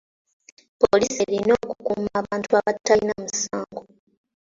Poliisi erina okukuuma abantu abatalina musango.